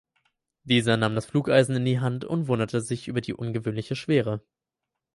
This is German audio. Dieser nahm das Pflugeisen in die Hand und wunderte sich über die ungewöhnliche Schwere.